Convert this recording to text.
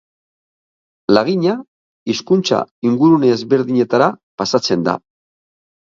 Lagina hazkuntza-ingurune ezberdinetara pasatzen da.